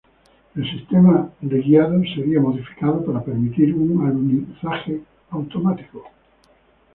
El sistema de guiado sería modificado para permitir un alunizaje automático.